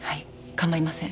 構いません。